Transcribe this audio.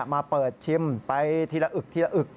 มาเปิดชิมไปทีละอึกทีละอึก